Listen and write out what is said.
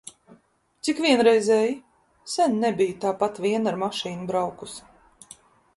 Cik vienreizēji! Sen nebiju tāpat vien ar mašīnu braukusi.